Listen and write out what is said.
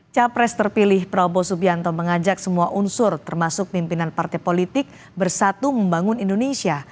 capres terpilih prabowo subianto mengajak semua unsur termasuk pimpinan partai politik bersatu membangun indonesia